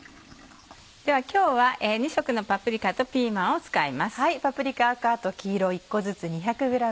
では今日は２色のパプリカとピーマンを使います。